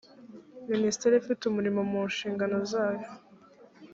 minisiteri ifite umurimo mu nshingano zayo